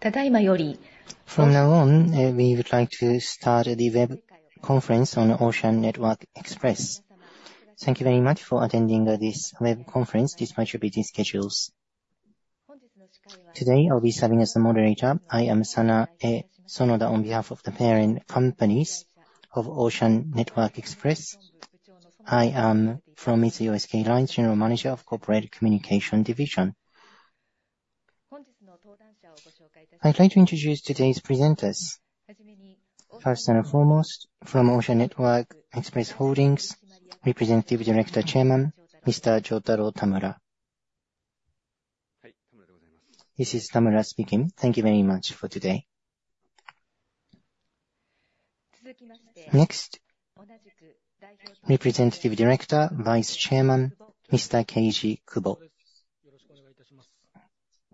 ただいまより。From now on, we would like to start the web conference on Ocean Network Express. Thank you very much for attending this web conference, despite your busy schedules. Today I'll be serving as the moderator. I am Sanae Sonoda on behalf of the parent companies of Ocean Network Express. I am from Mitsui O.S.K. Lines, General Manager of Corporate Communication Division. I'd like to introduce today's presenters. First and foremost, from Ocean Network Express Holdings, Representative Director Chairman, Mr. Jotaro Tamura. This is Tamura speaking. Thank you very much for today. Next. Representative Director, Vice Chairman, Mr. Keiji Kubo.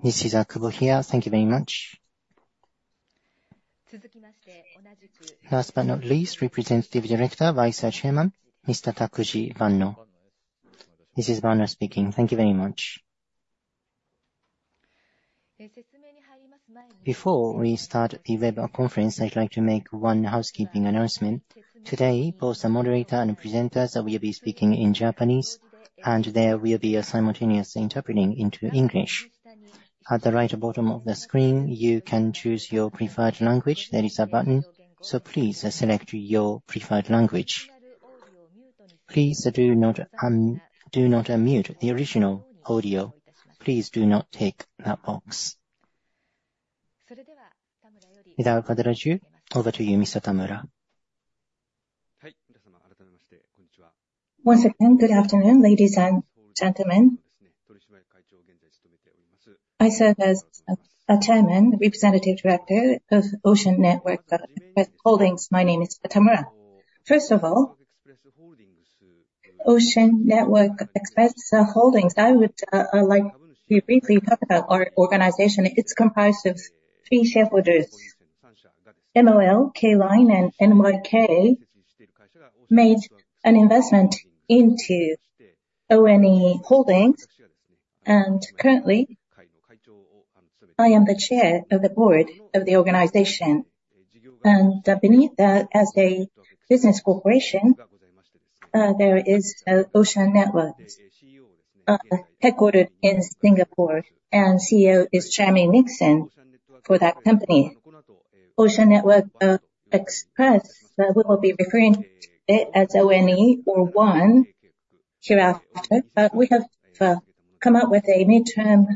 This is Kubo here. Thank you very much. Last but not least, Representative Director, Vice Chairman, Mr. Takuji Banno. This is Banno speaking. Thank you very much. Before we start the web conference, I'd like to make one housekeeping announcement. Today, both the moderator and presenters will be speaking in Japanese, and there will be a simultaneous interpreting into English. At the right bottom of the screen, you can choose your preferred language. There is a button. Please select your preferred language. Please do not unmute the original audio. Please do not tick that box. Without further ado, over to you, Mr. Tamura. One second. Good afternoon, ladies and gentlemen. I serve as Chairman, Representative Director of Ocean Network Express Holdings. My name is Tamura. First of all, Ocean Network Express Holdings, I would like to briefly talk about our organization. It's comprised of three shareholders: MOL, K-Line, and NYK, made an investment into ONE Holdings. Currently, I am the Chair of the Board of the organization. Beneath that, as a business corporation, there is Ocean Network, headquartered in Singapore, and CEO is Jeremy Nixon for that company. Ocean Network Express, we will be referring to it as ONE or One hereafter, but we have come up with a mid-term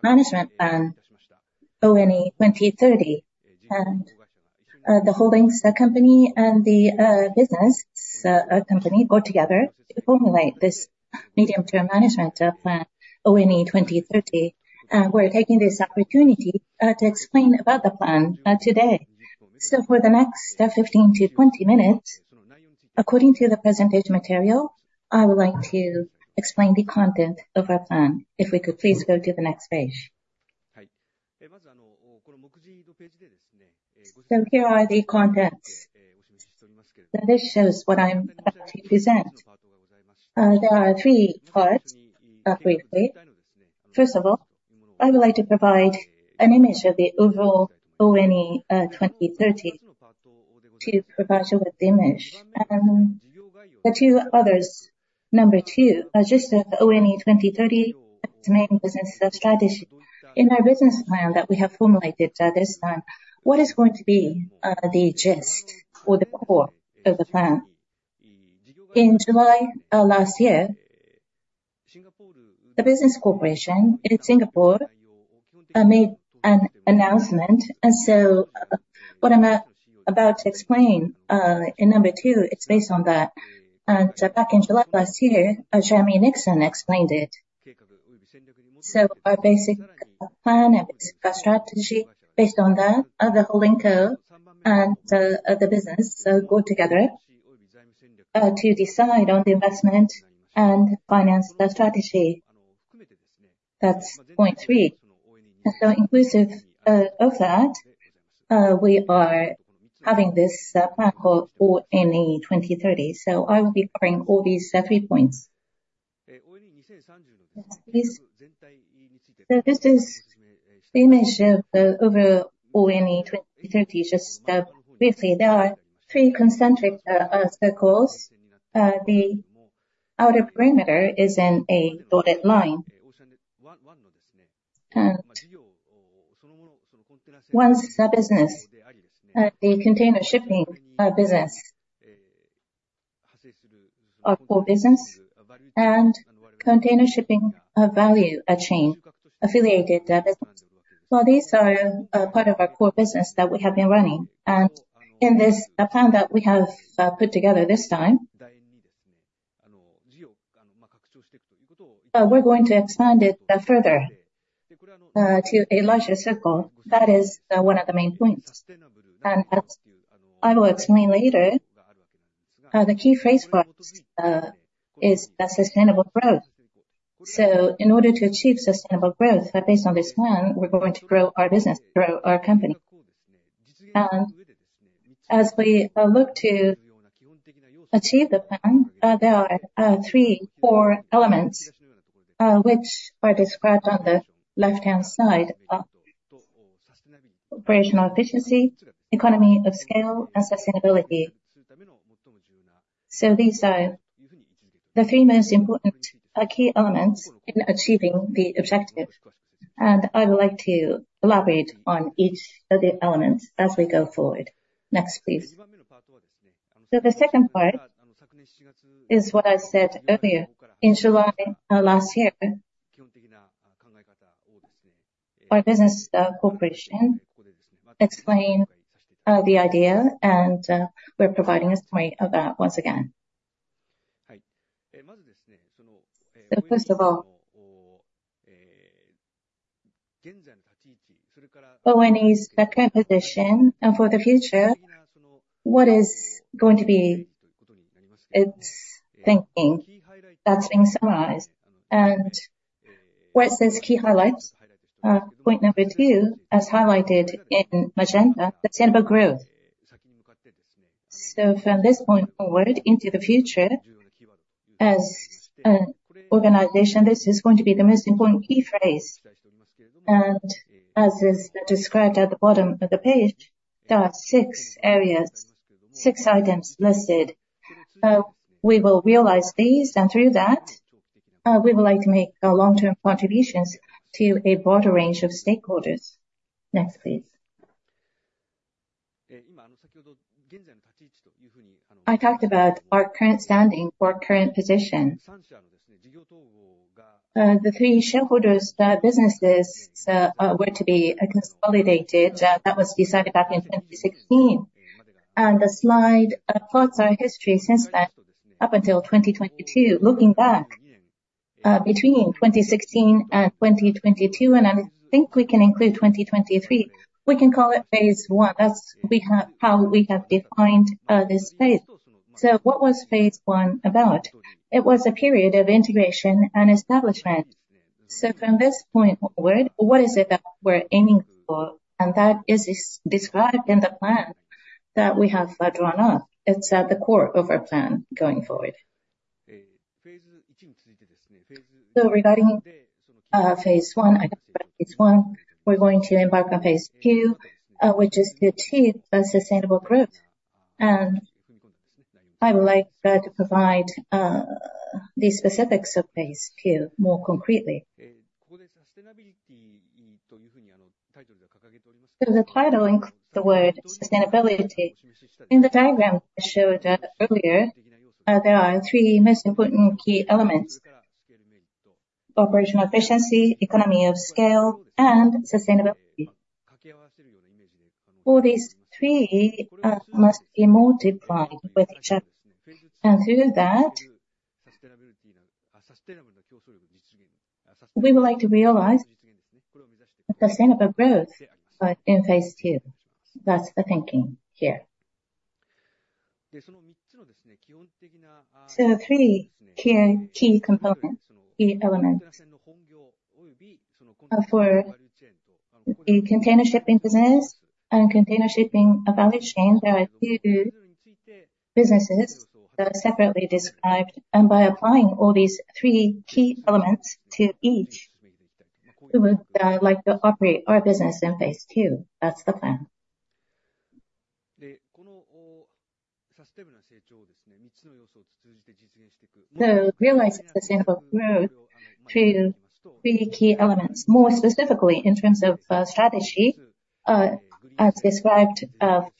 management plan, ONE 2030. The holdings company and the business company go together to formulate this medium-term management plan, ONE 2030. We're taking this opportunity to explain about the plan today. So for the next 15-20 minutes, according to the presentation material, I would like to explain the content of our plan. If we could please go to the next page. So here are the contents. This shows what I'm about to present. There are three parts, briefly. First of all, I would like to provide an image of the overall ONE 2030, to provide you with the image. And the two others, number two, are just ONE 2030, its main business strategy. In our business plan that we have formulated this time, what is going to be the gist or the core of the plan? In July last year, the business corporation in Singapore made an announcement. And so what I'm about to explain in number two, it's based on that. And back in July last year, Jeremy Nixon explained it. So our basic plan and strategy, based on that, the holding company and the business go together to decide on the investment and finance the strategy. That's point three. And so inclusive of that, we are having this plan called ONE 2030. So I will be covering all these three points. So this is the image of the overall ONE 2030. Just briefly, there are three concentric circles. The outer perimeter is in a dotted line. And one, the container shipping business, and container shipping value chain, affiliated business. Well, these are part of our core business that we have been running. And in this plan that we have put together this time, we're going to expand it further to a larger circle. That is one of the main points. And I will explain later, the key phrase for it is sustainable growth. So in order to achieve sustainable growth based on this plan, we're going to grow our business, grow our company. As we look to achieve the plan, there are three, four elements, which are described on the left-hand side: operational efficiency, economy of scale, and sustainability. These are the three most important key elements in achieving the objective. I would like to elaborate on each of the elements as we go forward. Next, please. The second part is what I said earlier. In July last year, our business corporation explained the idea, and we're providing a summary of that once again. First of all, ONE's current position and for the future, what is going to be, it's thinking. That's being summarized. Where it says key highlights, point number two, as highlighted in the agenda, sustainable growth. From this point forward into the future, as an organization, this is going to be the most important key phrase. As is described at the bottom of the page, there are six areas, six items listed. We will realize these, and through that, we would like to make long-term contributions to a broader range of stakeholders. Next, please. The three shareholders' businesses were to be consolidated. That was decided back in 2016. The slide plots our history since then up until 2022, looking back between 2016 and 2022, and I think we can include 2023, we can call it phase one. That's how we have defined this phase. What was phase one about? It was a period of integration and establishment. From this point forward, what is it that we're aiming for? That is described in the plan that we have drawn up. It's at the core of our plan going forward. So regarding phase one, I got phase one, we're going to embark on phase two, which is to achieve sustainable growth. And I would like to provide the specifics of phase two more concretely. So the title includes the word sustainability. In the diagram I showed earlier, there are three most important key elements: operational efficiency, economy of scale, and sustainability. All these three must be multiplied with each other. And through that, we would like to realize sustainable growth in phase two. That's the thinking here. So realizing sustainable growth through three key elements, more specifically in terms of strategy, as described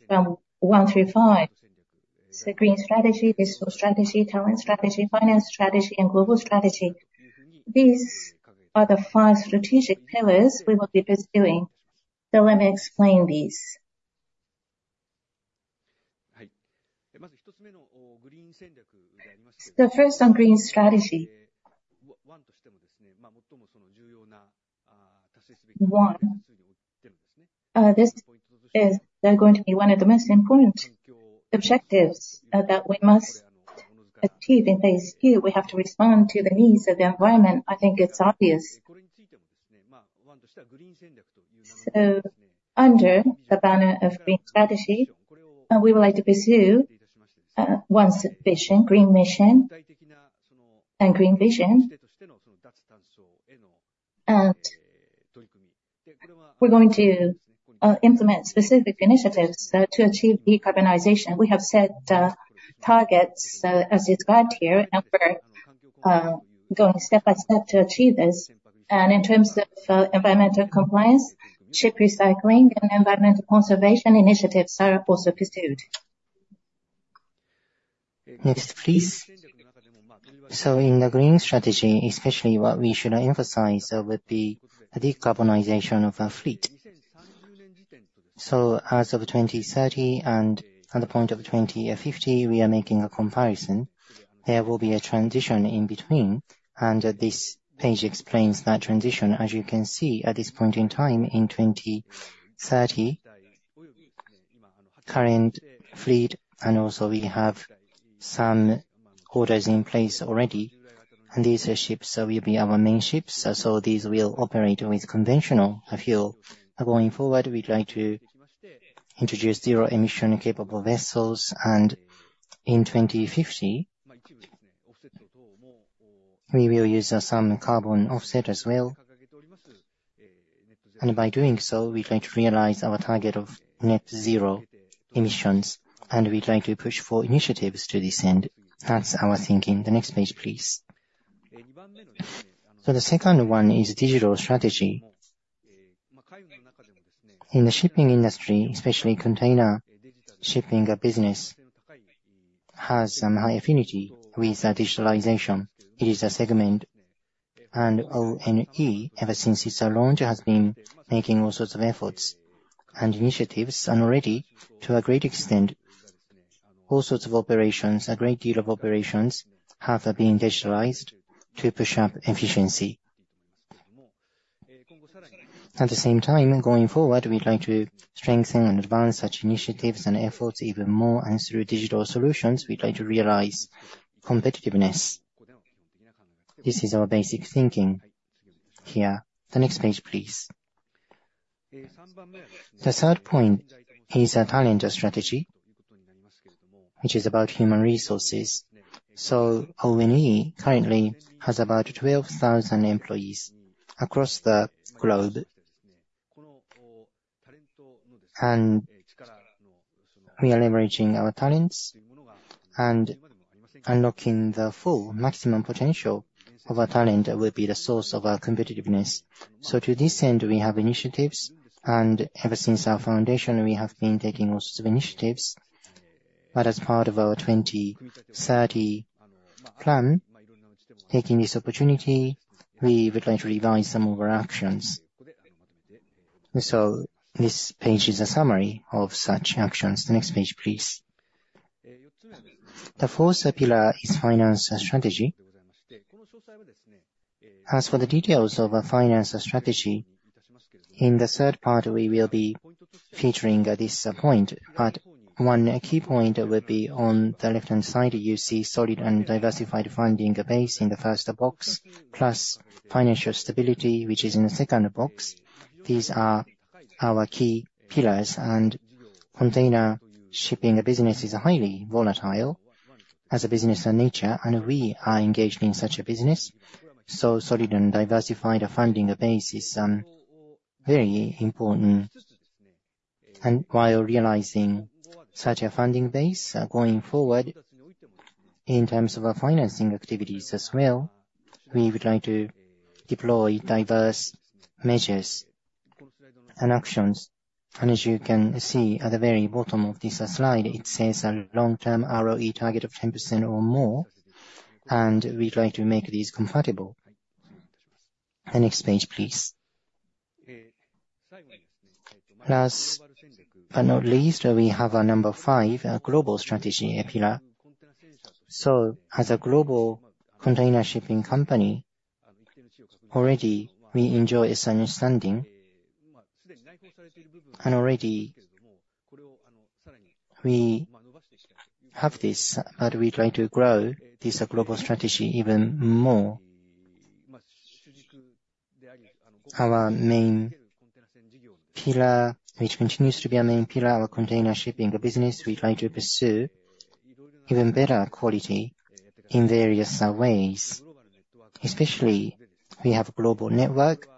from one through five. So green strategy, digital strategy, talent strategy, finance strategy, and global strategy. These are the five strategic pillars we will be pursuing. So let me explain these. So first on green strategy. ONE としても最も重要な達成すべき目標数においてのポイントとして. This is going to be one of the most important objectives that we must achieve in phase two. We have to respond to the needs of the environment. I think it's obvious. So under the banner of green strategy, we would like to pursue ONE's green mission and green vision as we're going to implement specific initiatives to achieve decarbonization. We have set targets as described here. We're going step by step to achieve this. In terms of environmental compliance, ship recycling, and environmental conservation initiatives are also pursued. Next, please. In the green strategy, especially what we should emphasize would be decarbonization of our fleet. As of 2030 and at the point of 2050, we are making a comparison. There will be a transition in between. This page explains that transition, as you can see: at this point in time in 2030, current fleet, and also we have some orders in place already. These ships will be our main ships. These will operate with conventional fuel. Going forward, we'd like to introduce zero-emission capable vessels. In 2050, we will use some carbon offset as well. By doing so, we'd like to realize our target of net-zero emissions. We'd like to push for initiatives to this end. That's our thinking. The next page, please. The second one is digital strategy. In the shipping industry, especially container shipping business, has a high affinity with digitalization. It is a segment. ONE, ever since its launch, has been making all sorts of efforts and initiatives. Already, to a great extent, all sorts of operations, a great deal of operations, have been digitalized to push up efficiency. At the same time, going forward, we'd like to strengthen and advance such initiatives and efforts even more. Through digital solutions, we'd like to realize competitiveness. This is our basic thinking here. The next page, please. The third point is talent strategy, which is about human resources. ONE currently has about 12,000 employees across the globe. We are leveraging our talents and unlocking the full maximum potential of our talent that would be the source of our competitiveness. To this end, we have initiatives. Ever since our foundation, we have been taking all sorts of initiatives. But as part of our 2030 plan, taking this opportunity, we would like to revise some of our actions. This page is a summary of such actions. The next page, please. The fourth pillar is finance strategy. As for the details of our finance strategy, in the third part, we will be featuring this point. But one key point would be on the left-hand side, you see solid and diversified funding base in the first box, plus financial stability, which is in the second box. These are our key pillars. Container shipping business is highly volatile as a business of nature. We are engaged in such a business. So solid and diversified funding base is very important. While realizing such a funding base, going forward in terms of our financing activities as well, we would like to deploy diverse measures and actions. As you can see at the very bottom of this slide, it says a long-term ROE target of 10% or more. We'd like to make these compatible. The next page, please. Last but not least, we have number five, global strategy pillar. So as a global container shipping company, already we enjoy a certain standing. And already we have this, but we'd like to grow this global strategy even more. Our main pillar, which continues to be our main pillar, our container shipping business, we'd like to pursue even better quality in various ways. Especially we have a global network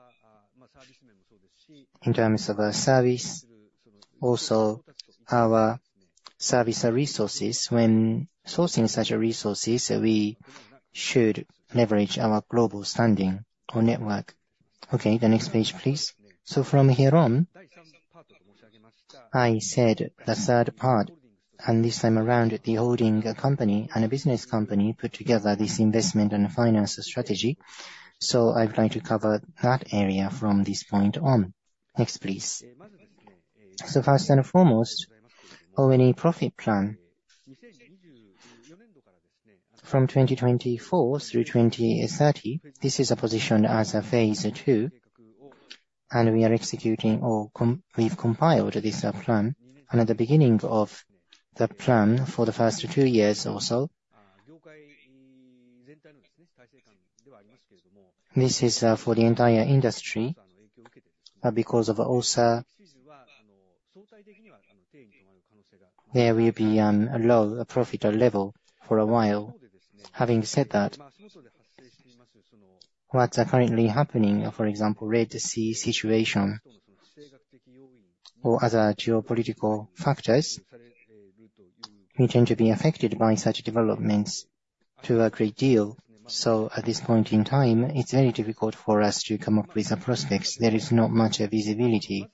in terms of our service, also our service resources. When sourcing such resources, we should leverage our global standing or network. Okay, the next page, please. So from here on, I said the third part. And this time around, the holding company and a business company put together this investment and finance strategy. So I'd like to cover that area from this point on. Next, please. So, first and foremost, ONE Profit Plan, from 2024 through 2030, this is positioned as a phase two. We are executing or we've compiled this plan. At the beginning of the plan for the first two years also, this is for the entire industry because there will also be a low profit level for a while. Having said that, what's currently happening, for example, Red Sea situation or other geopolitical factors, we tend to be affected by such developments to a great deal. So at this point in time, it's very difficult for us to come up with a prospects. There is not much visibility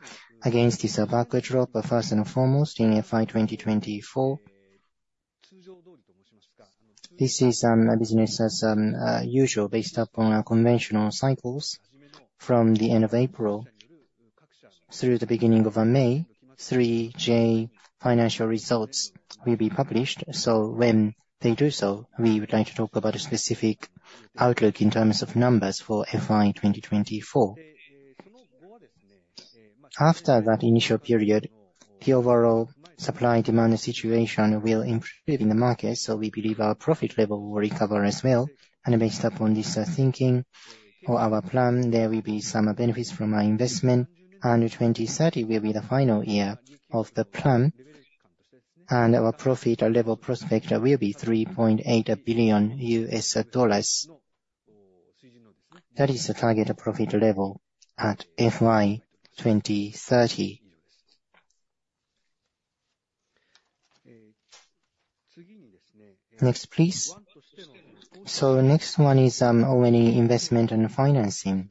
against this backward drop, first and foremost, in FY 2024. This is a business as usual based upon our conventional cycles. From the end of April through the beginning of May, 3J financial results will be published. So when they do so, we would like to talk about a specific outlook in terms of numbers for FY 2024. After that initial period, the overall supply-demand situation will improve in the market. So we believe our profit level will recover as well. And based upon this thinking or our plan, there will be some benefits from our investment. And 2030 will be the final year of the plan. And our profit level prospect will be $3.8 billion. That is the target profit level at FY 2030. Next, please. So next one is ONE investment and financing.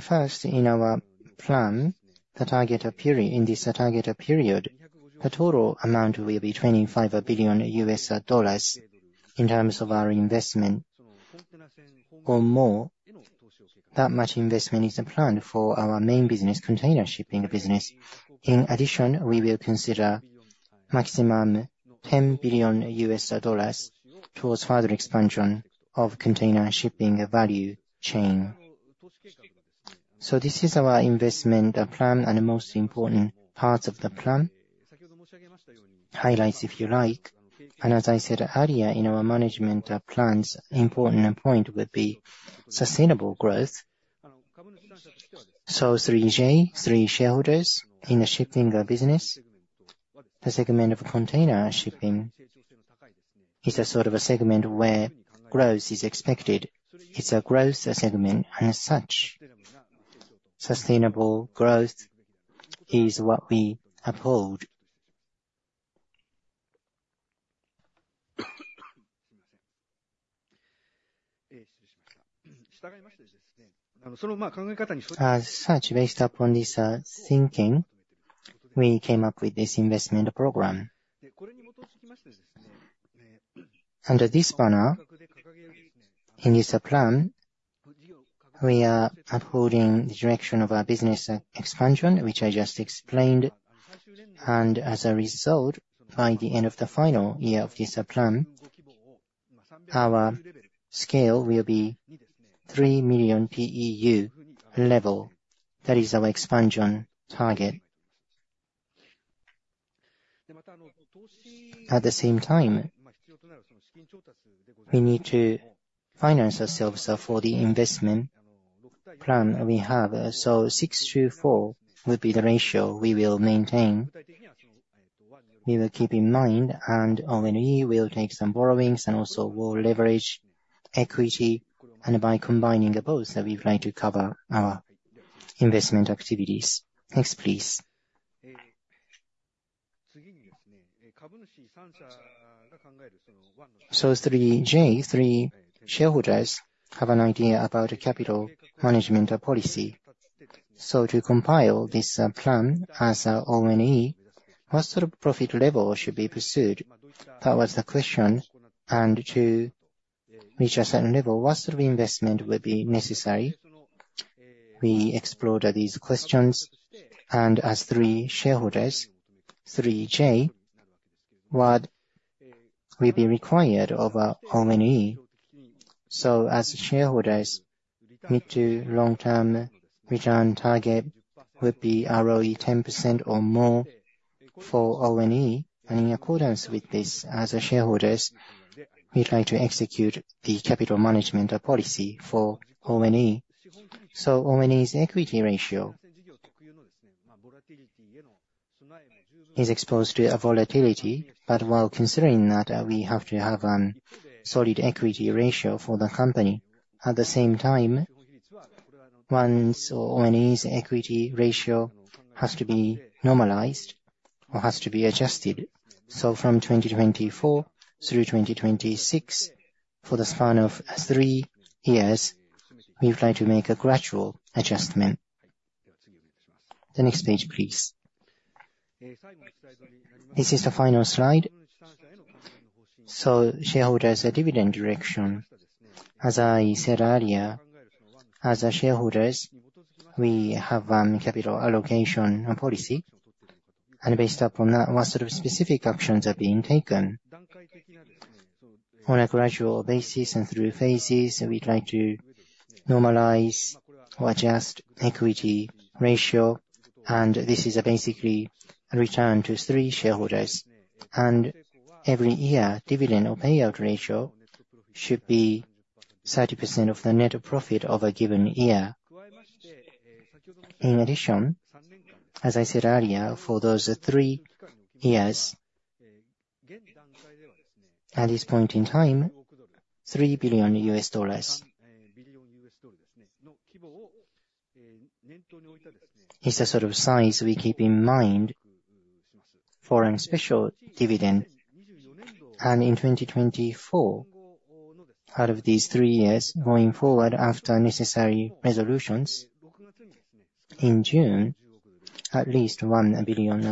First, in our plan, the target period, in this target period, the total amount will be $25 billion in terms of our investment. Or more. That much investment is planned for our main business, container shipping business. In addition, we will consider maximum $10 billion towards further expansion of container shipping value chain. This is our investment plan and the most important parts of the plan highlights, if you like. As I said earlier in our management plans, an important point would be sustainable growth. 3J, three shareholders in the shipping business. The segment of container shipping is a sort of a segment where growth is expected. It's a growth segment as such. Sustainable growth is what we uphold. As such, based upon this thinking, we came up with this investment program. Under this banner, in this plan, we are upholding the direction of our business expansion, which I just explained. As a result, by the end of the final year of this plan, our scale will be 3 million TEU level. That is our expansion target. At the same time, we need to finance ourselves for the investment plan we have. So 6:4 would be the ratio we will maintain. We will keep in mind, and ONE will take some borrowings and also will leverage equity. And by combining both, we'd like to cover our investment activities. Next, please. So 3J, three shareholders have an idea about capital management policy. So to compile this plan as ONE, what sort of profit level should be pursued? That was the question. And to reach a certain level, what sort of investment would be necessary? We explored these questions. And as three shareholders, 3J, what will be required of ONE? So as shareholders, need to long-term return target would be ROE 10% or more for ONE. And in accordance with this, as shareholders, we'd like to execute the capital management policy for ONE. So ONE's equity ratio is exposed to a volatility. But while considering that, we have to have a solid equity ratio for the company. At the same time, once ONE's equity ratio has to be normalized or has to be adjusted. So from 2024 through 2026, for the span of three years, we'd like to make a gradual adjustment. The next page, please. This is the final slide. So shareholders, a dividend direction. As I said earlier, as shareholders, we have a capital allocation policy. And based upon that, what sort of specific actions are being taken? On a gradual basis and through phases, we'd like to normalize or adjust equity ratio. And this is basically a return to three shareholders. And every year, dividend or payout ratio should be 30% of the net profit of a given year. In addition, as I said earlier, for those three years, at this point in time, $3 billion is the sort of size we keep in mind for a special dividend. In 2024, out of these three years going forward, after necessary resolutions, in June, at least $1 billion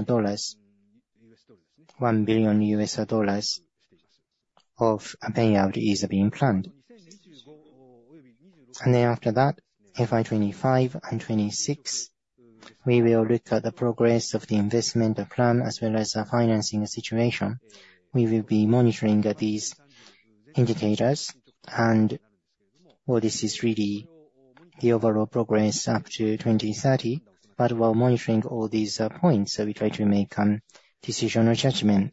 of payout is being planned. Then after that, FY 2025 and 2026, we will look at the progress of the investment plan as well as our financing situation. We will be monitoring these indicators and what this is really, the overall progress up to 2030. But while monitoring all these points, we try to make decision or judgment.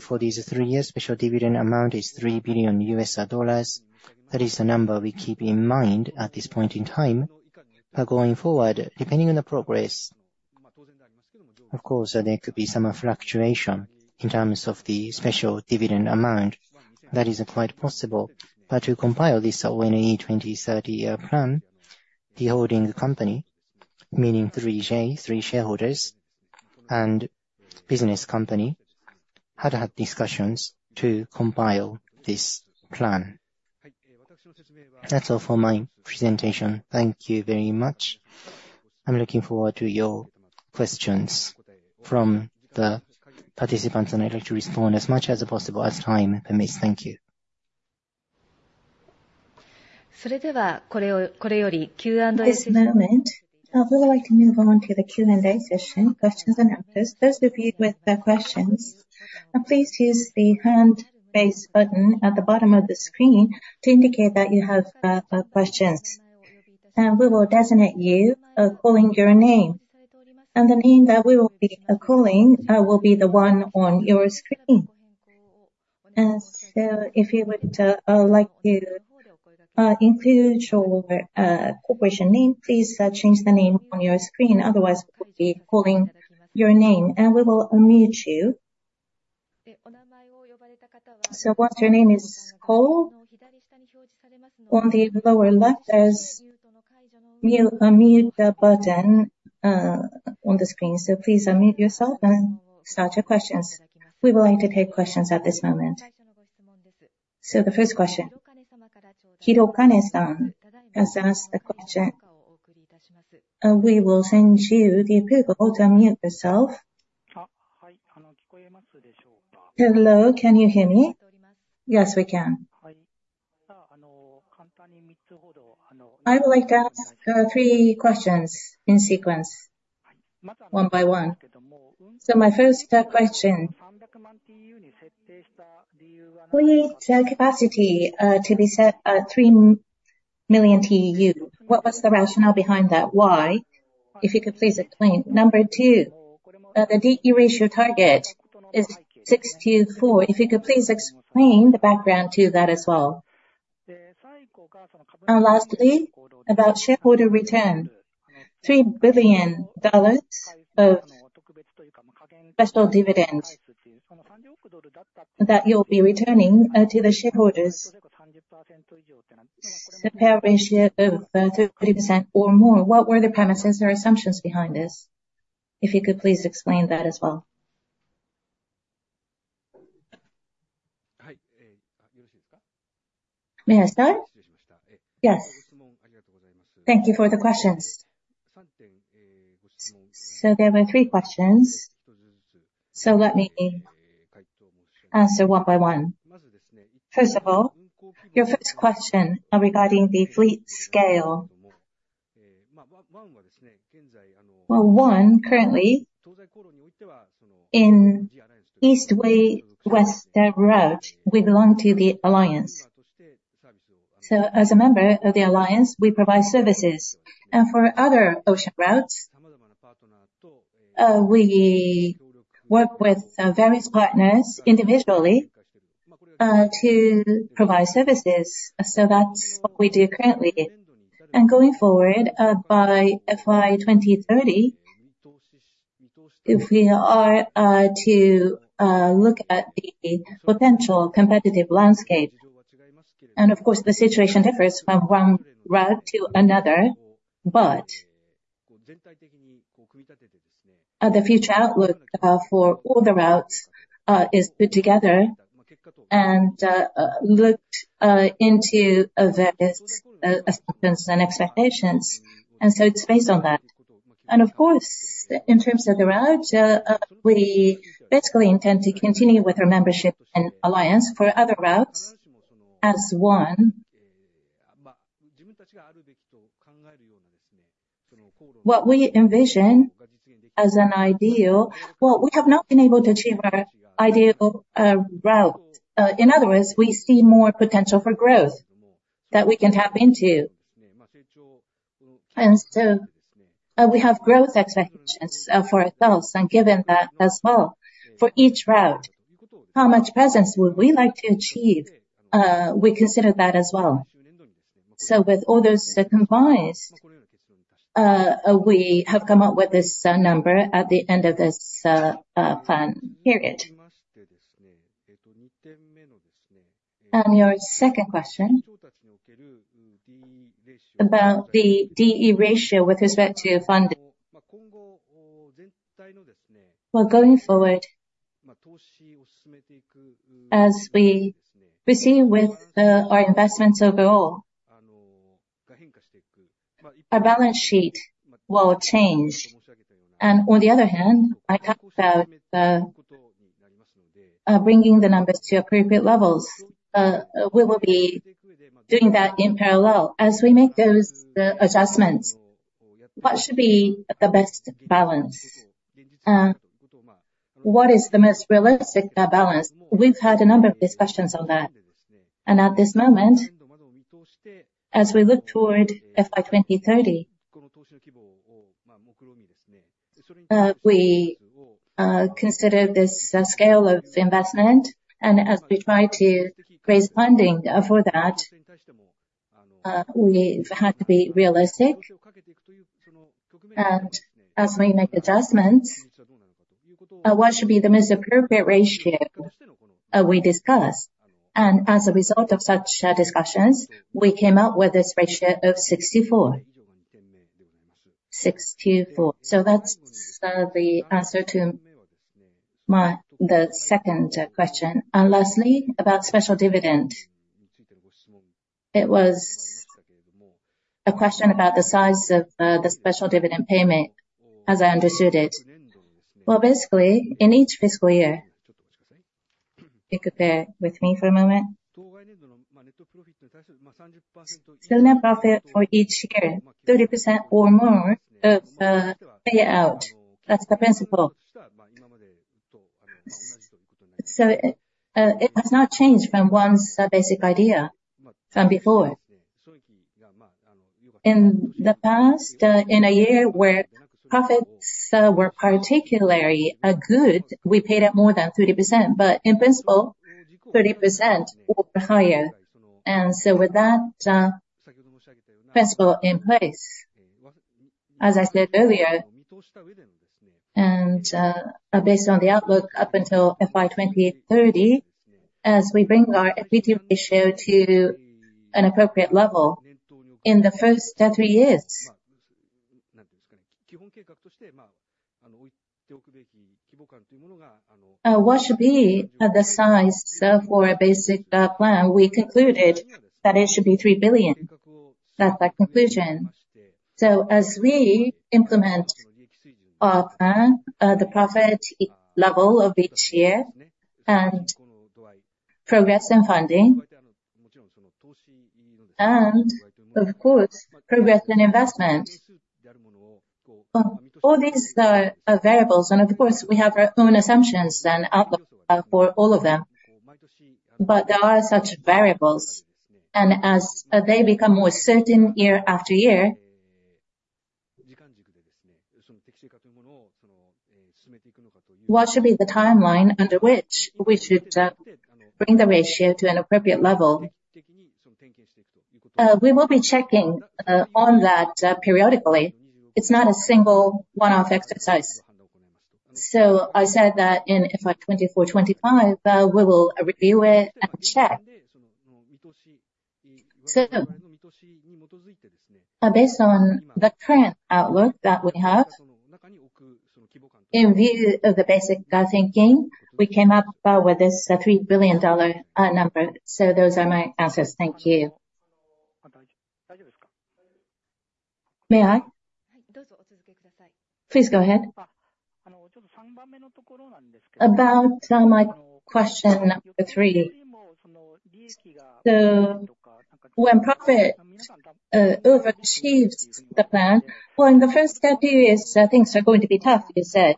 For these three years, special dividend amount is $3 billion. That is the number we keep in mind at this point in time. But going forward, depending on the progress, of course, there could be some fluctuation in terms of the special dividend amount. That is quite possible. But to compile this ONE 2030 plan, the holding company, meaning 3J, three shareholders, and business company had had discussions to compile this plan. That's all for my presentation. Thank you very much. I'm looking forward to your questions from the participants and I'd like to respond as much as possible as time permits. Thank you. At this moment, I would like to move on to the Q&A session. Questions and answers. Those of you with questions, please use the hand-raised button at the bottom of the screen to indicate that you have questions. And we will designate you calling your name. And the name that we will be calling will be the one on your screen. If you would like to include your corporation name, please change the name on your screen. Otherwise, we'll be calling your name. We will unmute you. Once your name is called, on the lower left, there's a mute button on the screen. Please unmute yourself and start your questions. We would like to take questions at this moment. The first question, Hirokane-san, has asked a question. We will send you the approval to unmute yourself. Hello, can you hear me? Yes, we can. I would like to ask three questions in sequence, one by one. My first question, we need capacity to be set at 3 million TEU. What was the rationale behind that? Why? If you could please explain. Number two, the DE ratio target is 6 to 4. If you could please explain the background to that as well. Lastly, about shareholder return. $3 billion of special dividend that you'll be returning to the shareholders, the payout ratio of 30% or more. What were the premises or assumptions behind this? If you could please explain that as well. There were three questions. Let me answer one by one. First of all, your first question regarding the fleet scale. As a member of the alliance, we provide services. And for other ocean routes, we work with various partners individually to provide services. That's what we do currently. And going forward, by FY 2030, if we are to look at the potential competitive landscape and of course, the situation differs from one route to another, but the future outlook for all the routes is put together and looked into various assumptions and expectations. And so it's based on that. Of course, in terms of the route, we basically intend to continue with our membership and alliance for other routes as one. What we envision as an ideal, well, we have not been able to achieve our ideal route. In other words, we see more potential for growth that we can tap into. And so we have growth expectations for ourselves and given that as well. For each route, how much presence would we like to achieve? We consider that as well. So with all those combined, we have come up with this number at the end of this plan period. And your second question about the DE ratio with respect to funding, as we proceed with our investments overall, our balance sheet will change. And on the other hand, I talked about bringing the numbers to appropriate levels. We will be doing that in parallel. As we make those adjustments, what should be the best balance? What is the most realistic balance? We've had a number of discussions on that. At this moment, as we look toward FY 2030, we consider this scale of investment. As we try to raise funding for that, we've had to be realistic. As we make adjustments, what should be the most appropriate ratio we discuss? As a result of such discussions, we came up with this ratio of 6 to 4. That's the answer to the second question. Lastly, about special dividend, it was a question about the size of the special dividend payment as I understood it. Well, basically, in each fiscal year, if you could bear with me for a moment, in the past, in a year where profits were particularly good, we paid out more than 30%. But in principle, 30% or higher. And so with that principle in place, as I said earlier, and based on the outlook up until FY 2030, as we bring our equity ratio to an appropriate level in the first three years. What should be the size for a basic plan? We concluded that it should be 3 billion. That's our conclusion. So as we implement our plan, the profit level of each year and progress in funding, and of course, progress in investment, all these are variables. And of course, we have our own assumptions and outlooks for all of them. But there are such variables. And as they become more certain year-after-year. What should be the timeline under which we should bring the ratio to an appropriate level? We will be checking on that periodically. It's not a single one-off exercise. So I said that in FY 2024- FY 2025, we will review it and check. So based on the current outlook that we have, in view of the basic thinking, we came up with this $3 billion number. So those are my answers. Thank you. May I? Please go ahead. So when profit overshoots the plan, well, in the first step, I think it's going to be tough, you said.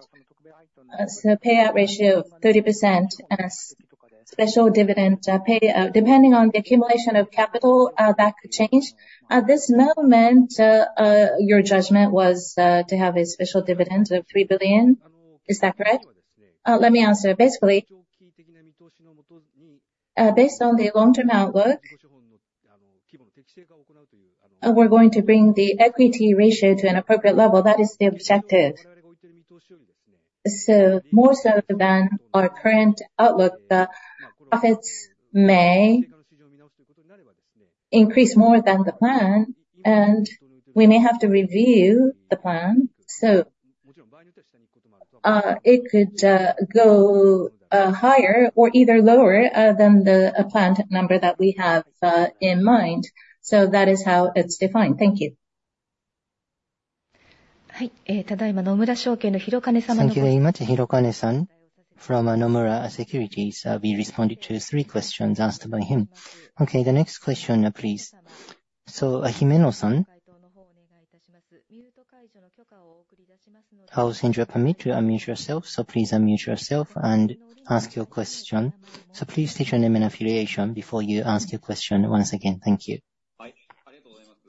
So payout ratio of 30% as special dividend payout, depending on the accumulation of capital, that could change. At this moment, your judgment was to have a special dividend of $3 billion. Is that correct? Let me answer. Basically, based on the long-term outlook, we're going to bring the equity ratio to an appropriate level. That is the objective. So more so than our current outlook, profits may increase more than the plan. And we may have to review the plan. So it could go higher or either lower than the planned number that we have in mind. So that is how it's defined. Thank you. Thank you very much, Hirokane-san. From Nomura Securities, we responded to three questions asked by him. Okay, the next question, please. So Himeno-san, I'll send your permit to unmute yourself. So please unmute yourself and ask your question. So please state your name and affiliation before you ask your question once again. Thank you.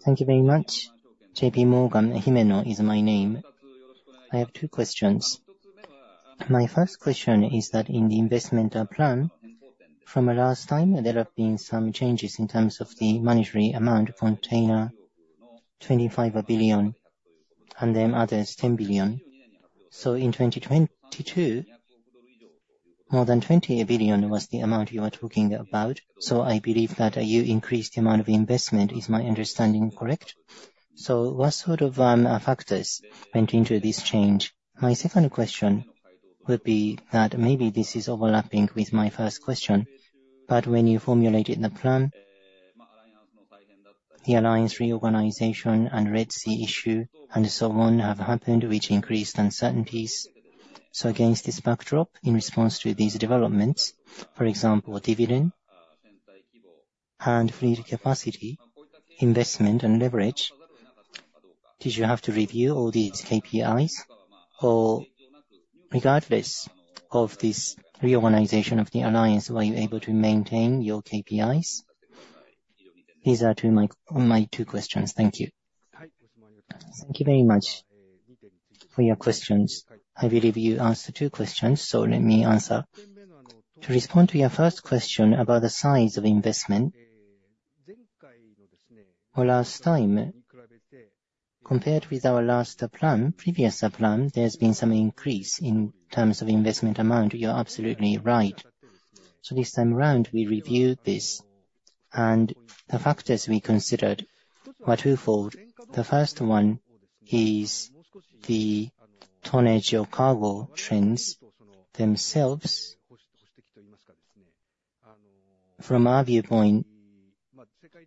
Thank you very much. J.P. Morgan. Himeno is my name. I have two questions. My first question is that in the investment plan, from last time, there have been some changes in terms of the monetary amount container 25 billion and then others 10 billion. So in 2022, more than 20 billion was the amount you were talking about. So I believe that you increased the amount of investment. Is my understanding correct? So what sort of factors went into this change? My second question would be that maybe this is overlapping with my first question. But when you formulated the plan, the alliance reorganization and Red Sea issue and so on have happened, which increased uncertainties. So against this backdrop, in response to these developments, for example, dividend and fleet capacity, investment, and leverage, did you have to review all these KPIs? Or regardless of this reorganization of the alliance, were you able to maintain your KPIs? These are my two questions. Thank you. Thank you very much for your questions. I believe you answered two questions. So let me answer. To respond to your first question about the size of investment, last time, compared with our previous plan, there's been some increase in terms of investment amount. You're absolutely right. So this time around, we reviewed this. The factors we considered were twofold. The first one is the tonnage of cargo trends themselves. From our viewpoint,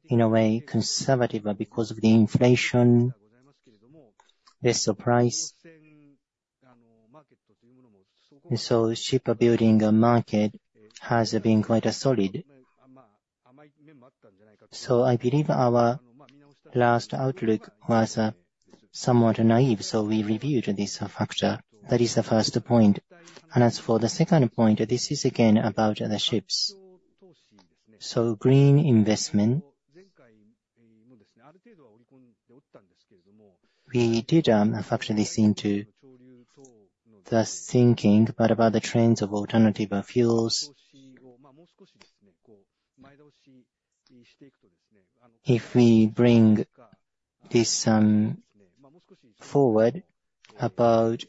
in a way, conservative because of the inflation, lesser price. So shipbuilding market has been quite solid. So I believe our last outlook was somewhat naive. So we reviewed this factor. That is the first point. And as for the second point, this is again about the ships. So green investment, we did factor this into the thinking, but about the trends of alternative fuels, if we bring this forward about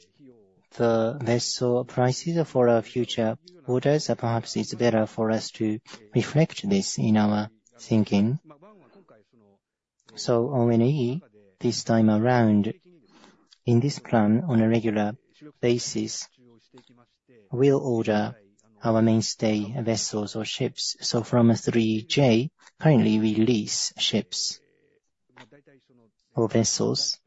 the vessel prices for our future orders, perhaps it's better for us to reflect this in our thinking. So ONE, this time around, in this plan, on a regular basis, we'll order our mainstay vessels or ships. So from 3J, currently, we lease ships or vessels.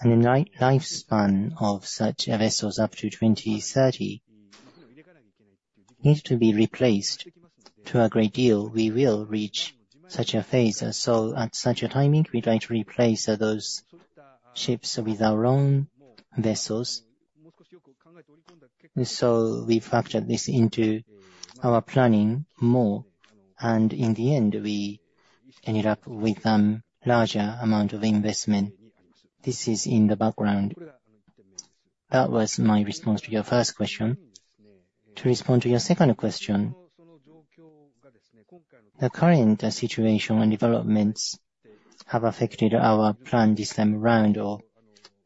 And the lifespan of such vessels up to 2030 needs to be replaced. To a great deal, we will reach such a phase. So at such a timing, we'd like to replace those ships with our own vessels. So we factored this into our planning more. And in the end, we ended up with a larger amount of investment. This is in the background. That was my response to your first question. To respond to your second question, the current situation and developments have affected our plan this time around, or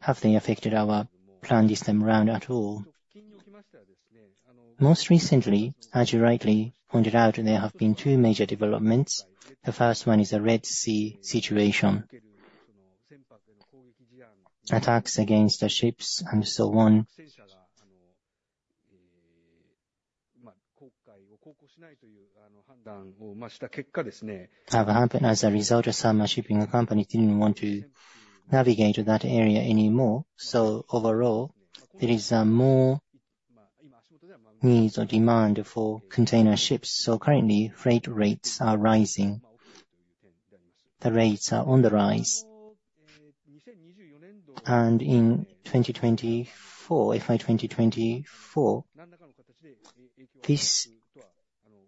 have they affected our plan this time around at all? Most recently, as you rightly pointed out, there have been two major developments. The first one is the Red Sea situation, attacks against the ships and so on, have happened as a result of some shipping company didn't want to navigate that area anymore. So overall, there is more needs or demand for container ships. So currently, freight rates are rising. The rates are on the rise. In 2024, FY 2024, this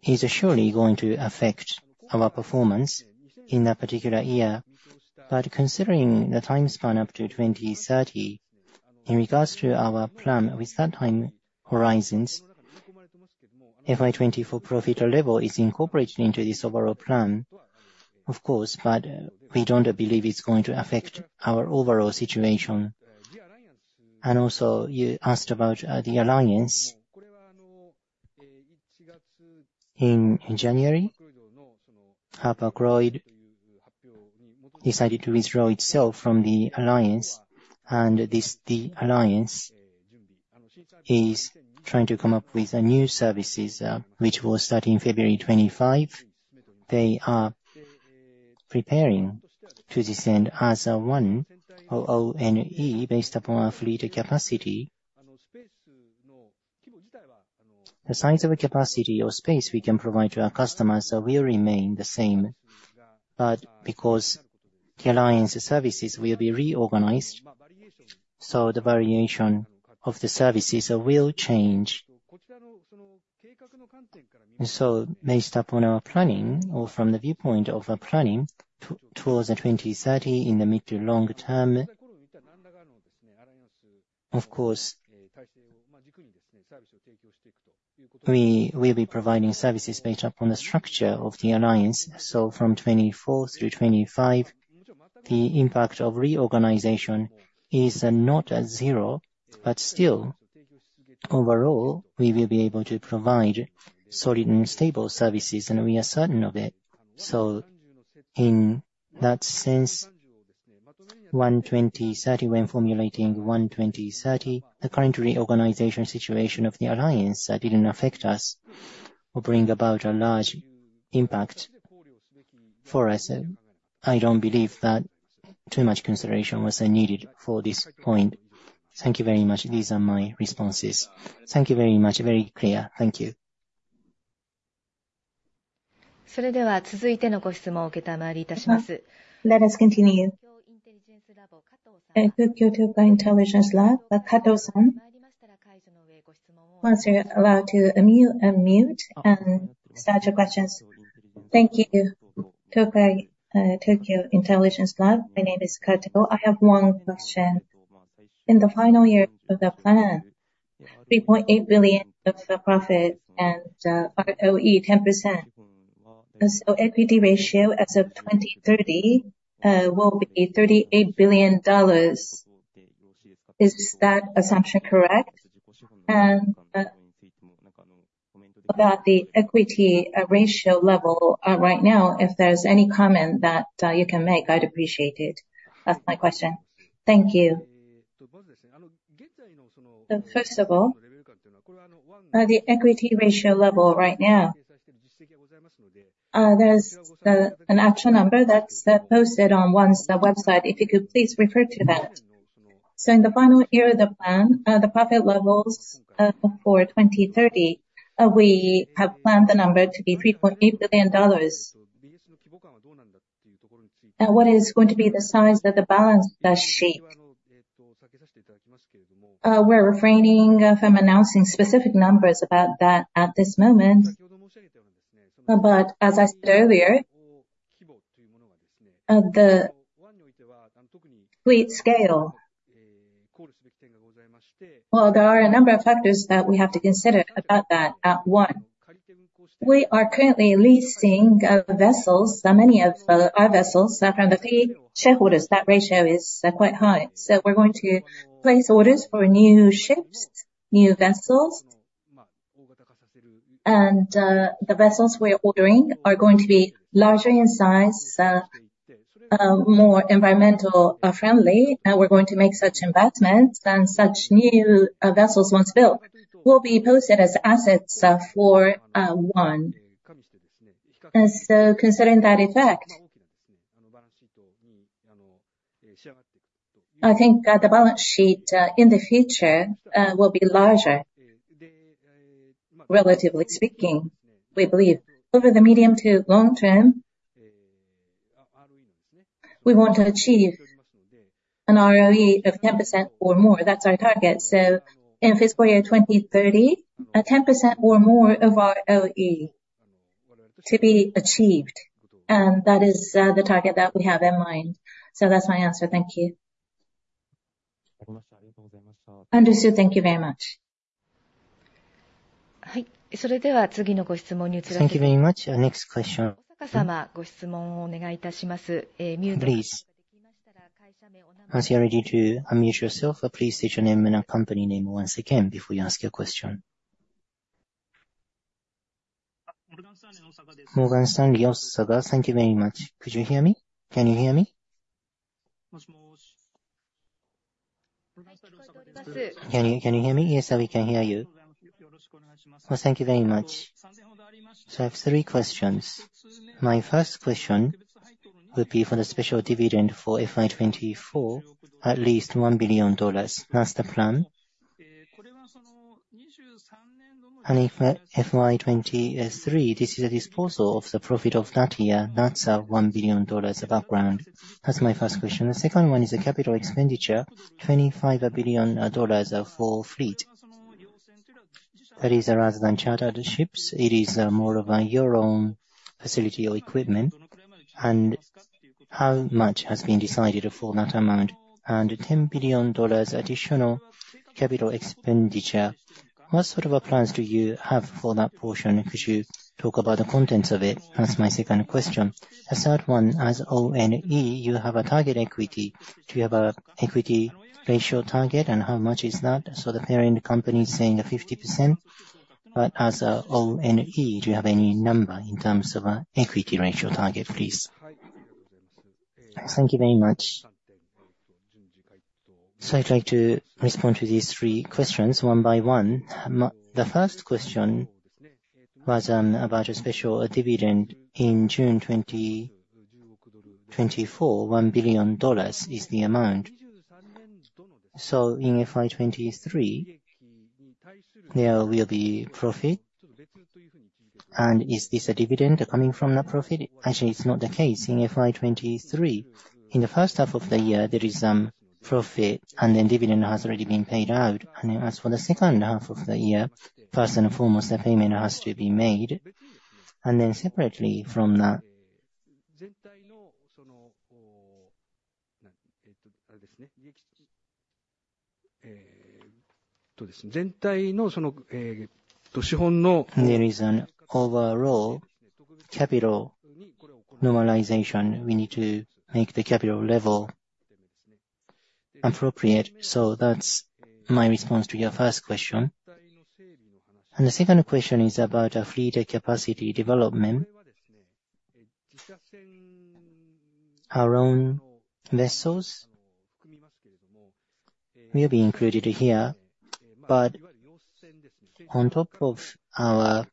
is surely going to affect our performance in that particular year. Considering the timespan up to 2030, in regards to our plan with that time horizons, FY 2024 profit level is incorporated into this overall plan, of course, but we don't believe it's going to affect our overall situation. Also, you asked about the alliance. In January, Hapag-Lloyd decided to withdraw itself from the alliance. The alliance is trying to come up with new services, which will start in February 2025. They are preparing to designed as ONE based upon our fleet capacity. The size of capacity or space we can provide to our customers will remain the same. Because the alliance services will be reorganized, so the variation of the services will change. So based upon our planning or from the viewpoint of our planning towards 2030 in the mid to long term, of course, we will be providing services based upon the structure of the alliance. So from 2024 through 2025, the impact of reorganization is not at zero. But still, overall, we will be able to provide solid and stable services. And we are certain of it. So in that sense, when formulating ONE 2030, the current reorganization situation of the alliance didn't affect us or bring about a large impact for us. I don't believe that too much consideration was needed for this point. Thank you very much. These are my responses. Thank you very much. Very clear. Thank you. Thank you, Tokai Tokyo Intelligence Lab. My name is Kitago. I have one question. In the final year of the plan, $3.8 billion of profit and ROE 10%. So equity ratio as of 2030 will be $38 billion. Is that assumption correct? And about the equity ratio level right now, if there's any comment that you can make, I'd appreciate it. That's my question. Thank you. First of all, there's an actual number that's posted on one's website. If you could please refer to that. So in the final year of the plan, the profit levels for 2030, we have planned the number to be $3.8 billion. And what is going to be the size that the balance does shake? We're refraining from announcing specific numbers about that at this moment. But as I said earlier, there are a number of factors that we have to consider about that at one. We are currently leasing vessels, many of our vessels, from the three shareholders. That ratio is quite high. So we're going to place orders for new ships, new vessels. The vessels we're ordering are going to be larger in size, more environmentally friendly. We're going to make such investments. Such new vessels once built will be posted as assets for ONE. Considering that effect, I think the balance sheet in the future will be larger, relatively speaking, we believe. Over the medium to long term, we want to achieve an ROE of 10% or more. That's our target. In fiscal year 2030, 10% or more of our ROE to be achieved. That is the target that we have in mind. That's my answer. Thank you. Understood. Thank you very much. Thank you very much. Osaka-sama, good question. Osaka-sama, good question. Please. Once you're ready to unmute yourself, please state your name and company name once again before you ask your question. I have three questions. My first question would be for the special dividend for FY 2024, at least $1 billion. That's the plan. And in FY 2023, this is a disposal of the profit of that year. That's $1 billion background. That's my first question. The second one is the capital expenditure, $25 billion for fleet. That is rather than chartered ships. It is more of your own facility or equipment. And how much has been decided for that amount? And $10 billion additional capital expenditure. What sort of a plans do you have for that portion? Could you talk about the contents of it? That's my second question. The third one, as ONE, you have a target equity. Do you have an equity ratio target? And how much is that? So the parent company is saying 50%. But as ONE, do you have any number in terms of equity ratio target, please? Thank you very much. So I'd like to respond to these three questions one by one. The first question was about a special dividend in June 2024. $1 billion is the amount. So in FY 2023, there will be profit. And is this a dividend coming from that profit? Actually, it's not the case. In FY 2023, in the first half of the year, there is profit. And then dividend has already been paid out. And then as for the second half of the year, first and foremost, a payment has to be made. And then separately from that, there is an overall capital normalization. We need to make the capital level appropriate. So that's my response to your first question. The second question is about fleet capacity development. Our own vessels will be included here. On top of our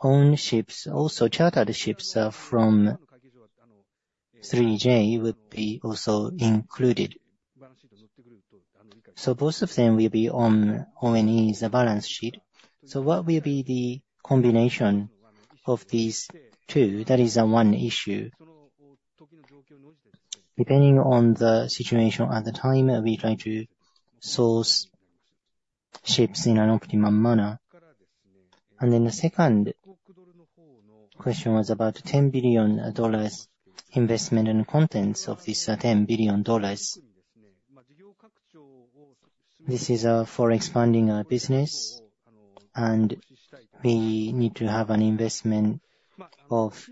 own ships, also chartered ships from 3J would be also included. Both of them will be on ONE's balance sheet. What will be the combination of these two? That is one issue. Depending on the situation at the time, we try to source ships in an optimum manner. The second question was about $10 billion investment and contents of this $10 billion. This is for expanding our business. We need to have an investment of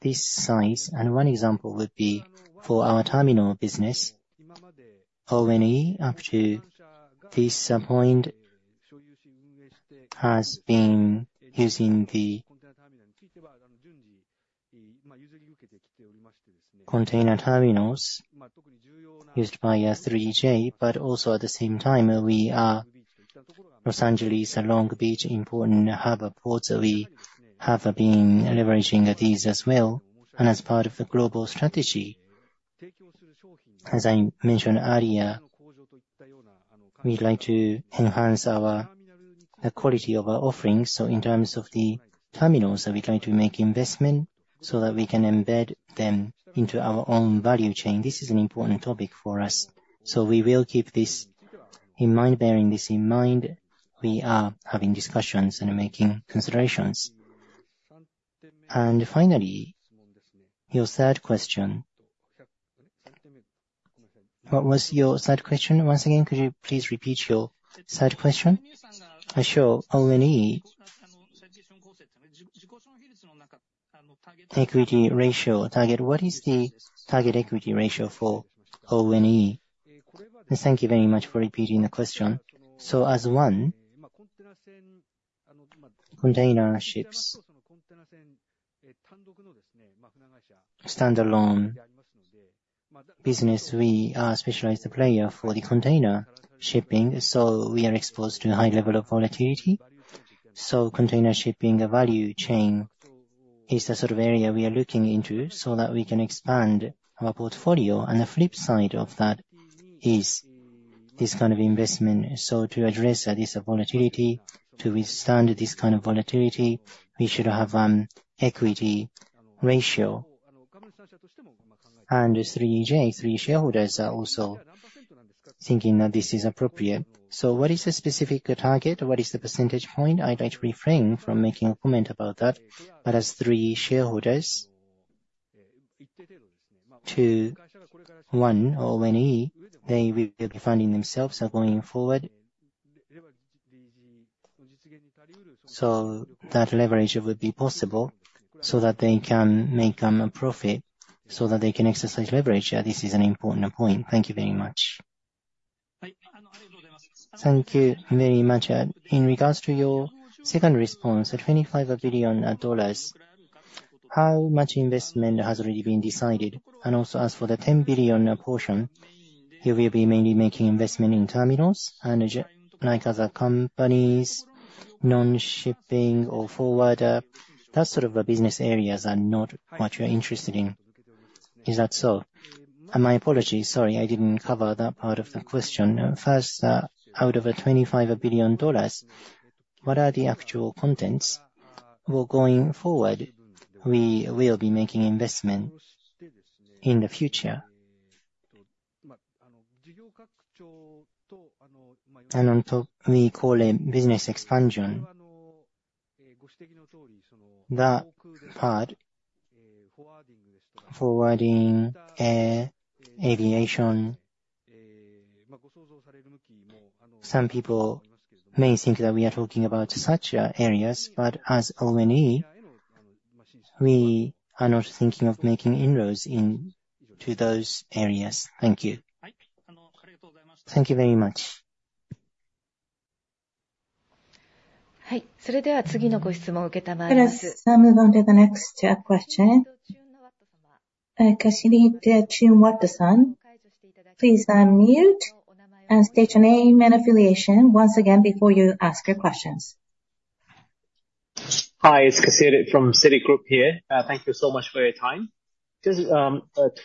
this size. One example would be for our terminal business. ONE, up to this point, has been using the container terminals used by 3J, but also at the same time, Los Angeles and Long Beach, important harbor port. We have been leveraging these as well. As part of the global strategy, as I mentioned earlier, we'd like to enhance the quality of our offerings. In terms of the terminals, we try to make investment so that we can embed them into our own value chain. This is an important topic for us. We will keep this in mind, bearing this in mind. We are having discussions and making considerations. Finally, your third question. What was your third question? Once again, could you please repeat your third question? Equity ratio target. What is the target equity ratio for ONE? Thank you very much for repeating the question. As ONE, container shipping standalone business, we are a specialized player for the container shipping. We are exposed to a high level of volatility. Container Shipping Value Chain is the sort of area we are looking into so that we can expand our portfolio. The flip side of that is this kind of investment. To address this volatility, to withstand this kind of volatility, we should have an equity ratio. And 3J, three shareholders are also thinking that this is appropriate. So what is the specific target? What is the percentage point? I'd like to refrain from making a comment about that. But as three shareholders to ONE, they will be finding themselves going forward. So that leverage would be possible so that they can make a profit, so that they can exercise leverage. This is an important point. Thank you very much. Thank you very much. In regards to your second response, $25 billion, how much investment has already been decided? And also as for the $10 billion portion, you will be mainly making investment in terminals and like other companies, non-shipping or forwarder. That sort of business areas are not what you're interested in. Is that so? And my apology. Sorry, I didn't cover that part of the question. First, out of the $25 billion, what are the actual contents? Well, going forward, we will be making investment in the future. And on top, we call it business expansion. The forwarding aviation. Some people may think that we are talking about such areas. But as ONE, we are not thinking of making inroads into those areas. Thank you. Thank you very much. それでは次のご質問承ります。Please unmute and state your name and affiliation once again before you ask your questions. Hi. It's Kasede from Citigroup here. Thank you so much for your time. Just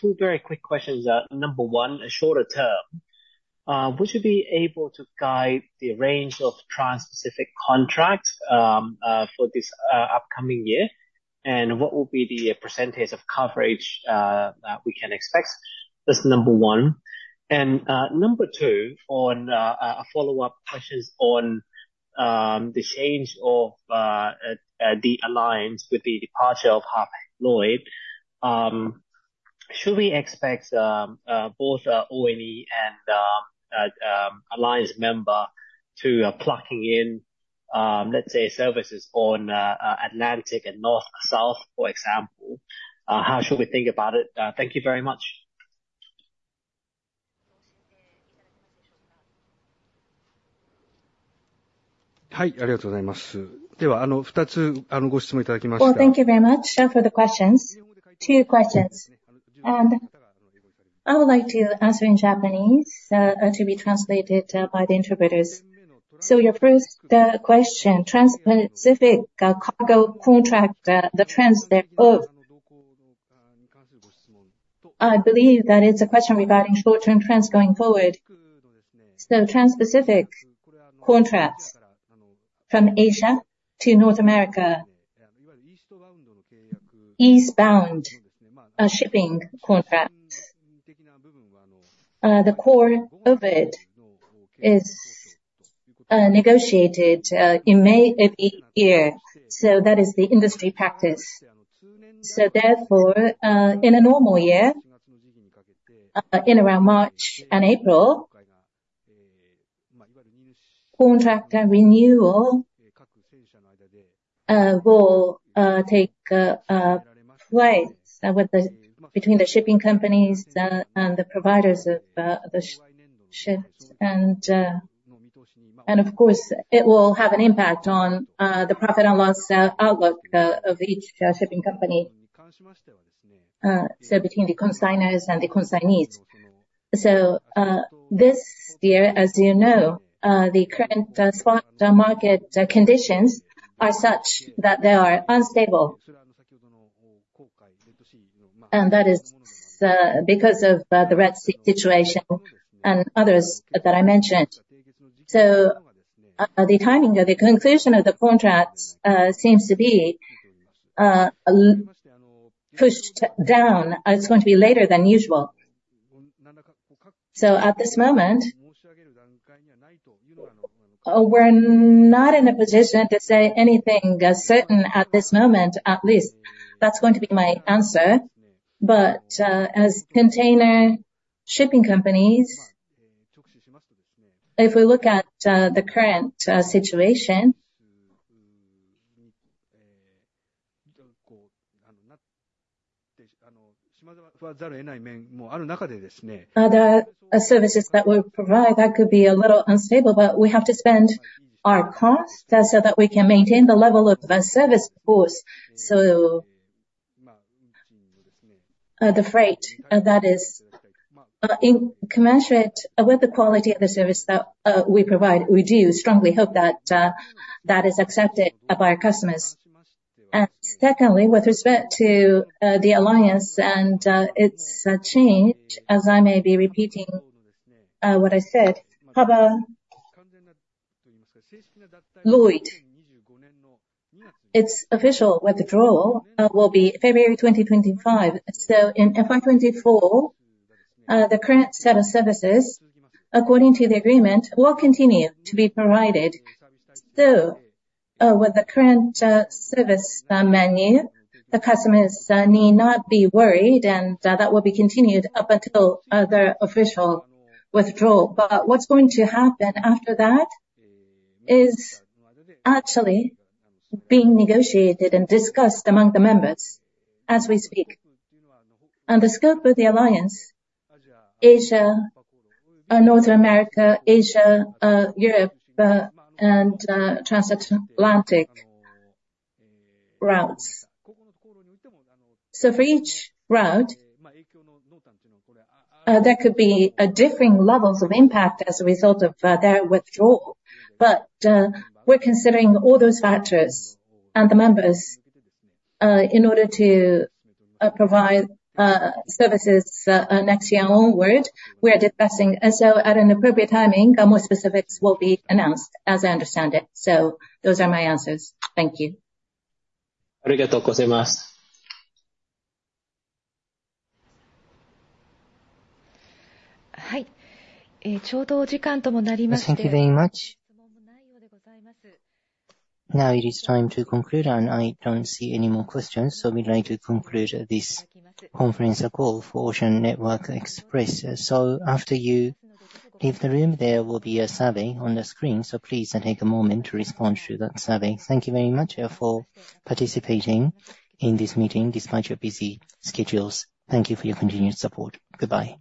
two very quick questions. Number one, a shorter term. Would you be able to guide the range of trans-Pacific contracts for this upcoming year? And what will be the percentage of coverage that we can expect? That's number one. And number two, a follow-up question on the change of the Alliance with the departure of Hapag-Lloyd. Should we expect both ONE and Alliance member to be plugging in, let's say, services on Atlantic and North South, for example? How should we think about it? Thank you very much. はい。ありがとうございます。では2つご質問いただきました。Oh, thank you very much for the questions. Two questions. And I would like to answer in Japanese to be translated by the interpreters. So your first question, trans-Pacific cargo contract, the trans thereof. I believe that it's a question regarding short-term trans going forward. So trans-Pacific contracts from Asia to North America. Eastbound shipping contracts. The core of it is negotiated in May every year. So that is the industry practice. So therefore, in a normal year, in around March and April, contract renewal will take place between the shipping companies and the providers of the ships. And of course, it will have an impact on the profit and loss outlook of each shipping company. So between the consignors and the consignees. So this year, as you know, the current spot market conditions are such that they are unstable. That is because of the Red Sea situation and others that I mentioned. The timing of the conclusion of the contracts seems to be pushed down. It's going to be later than usual. At this moment, we're not in a position to say anything certain at this moment, at least. That's going to be my answer. As container shipping companies, if we look at the current situation, the freight that is commensurate with the quality of the service that we provide, we do strongly hope that that is accepted by our customers. Secondly, with respect to the Alliance and its change, as I may be repeating what I said, Hapag-Lloyd's official withdrawal will be February 2025. In FY 2024, the current set of services, according to the agreement, will continue to be provided. So with the current service menu, the customers need not be worried. And that will be continued up until their official withdrawal. But what's going to happen after that is actually being negotiated and discussed among the members as we speak. And the scope of THE Alliance, Asia, North America, Asia, Europe, and transatlantic routes. So for each route, there could be differing levels of impact as a result of their withdrawal. But we're considering all those factors and the members in order to provide services next year onward. So at an appropriate timing, more specifics will be announced, as I understand it. So those are my answers. Thank you. Now it is time to conclude. I don't see any more questions. We'd like to conclude this conference call for Ocean Network Express. After you leave the room, there will be a survey on the screen. Please take a moment to respond to that survey. Thank you very much for participating in this meeting despite your busy schedules. Thank you for your continued support. Goodbye.